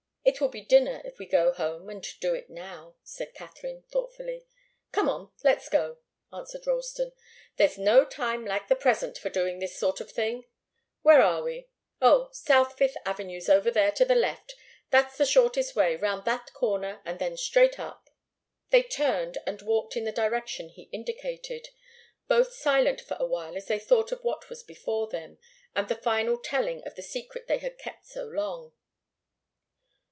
"It will be dinner, if we go home and do it now," said Katharine, thoughtfully. "Come on! Let's go!" answered Ralston. "There's no time like the present for doing this sort of thing. Where are we? Oh South Fifth Avenue's over there to the left. That's the shortest way, round that corner and then straight up." They turned and walked in the direction he indicated, both silent for a while as they thought of what was before them, and the final telling of the secret they had kept so long.